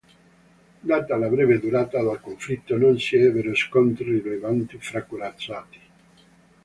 Data la breve durata del conflitto non si ebbero scontri rilevanti fra corazzati.